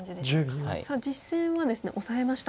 実戦はですねオサえました。